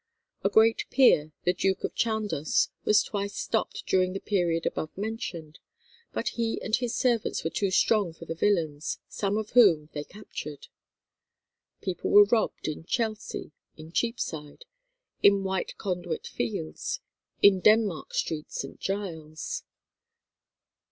A great peer, the Duke of Chandos, was twice stopped during the period above mentioned, but he and his servants were too strong for the villains, some of whom they captured. People were robbed in Chelsea, in Cheapside, in White Conduit Fields, in Denmark Street, St. Giles.